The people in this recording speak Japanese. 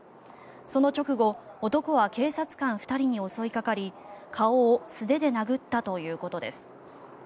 その直後男は警察官２人に襲いかかり顔を素手で殴ったということです。